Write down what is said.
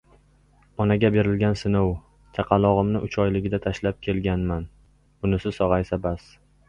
Onaga berilgan sinov: “Chaqalog‘imni uch oyligida tashlab kelganman, bunisi sog‘aysa bas”